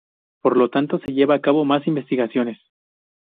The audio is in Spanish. Por lo tanto, se lleva a cabo más investigaciones.